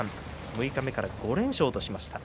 六日目から５連勝としました。